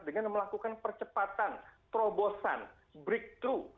dengan melakukan percepatan terobosan breakthrough